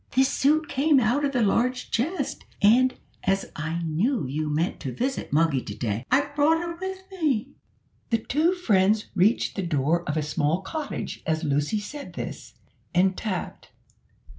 "This suit came out of the large chest; and as I knew you meant to visit Moggy to day, I brought it with me." The two friends reached the door of a small cottage as Lucy said this, and tapped.